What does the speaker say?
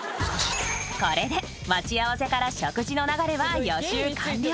［これで待ち合わせから食事の流れは予習完了］